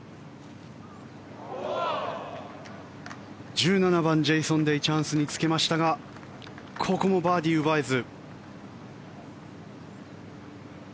１７番、ジェイソン・デイチャンスにつけましたがここもバーディー奪えず。